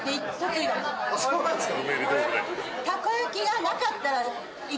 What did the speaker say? そうなんですか。